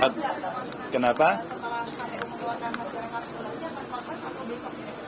harusnya akan pampas atau besok